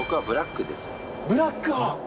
ブラック派？